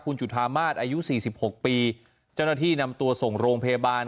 คุณจุฐามาสอายุ๔๖ปีเจ้าหน้าที่นำตัวส่งโรงพยาบาล